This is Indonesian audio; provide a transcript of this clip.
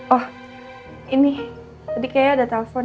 oh ini tadi kayaknya ada telepon